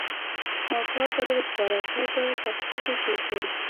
ما کار در وسپاره؛ تا په تاخچه کې کېښود.